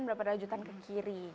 berapa rajutan ke kiri